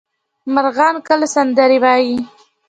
مرغان کله سندرې وايي؟